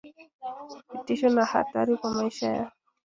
vitisho na hatari kwa maisha yao